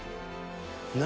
「何？